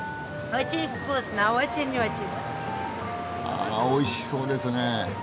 あおいしそうですねえ。